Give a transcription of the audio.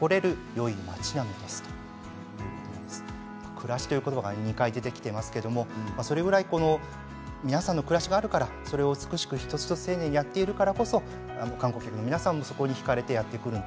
暮らしという言葉が２回出てきていますけれどもそれぐらい皆さんの暮らしがあるから、それを美しく一つ一つ丁寧にやってるからこそ観光客の皆さんもそこにひかれてやって来る。